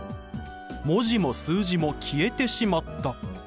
文字も数字も消えてしまった。